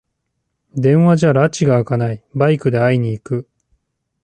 電話じゃらちがあかない、バイクで会いに行く